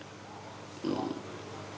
lãnh đạo phải nhìn kỹ